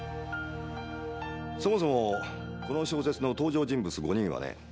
そもそもこの小説の登場人物５人はね